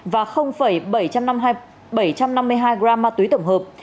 và bảy trăm năm mươi hai gram ma túy tổng hợp